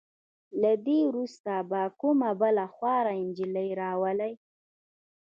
له دې وروسته به کومه بله خواره نجلې راولئ.